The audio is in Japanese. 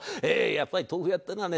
やっぱり豆腐屋ってえのはね